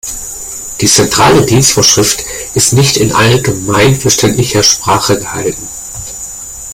Die Zentrale Dienstvorschrift ist nicht in allgemeinverständlicher Sprache gehalten.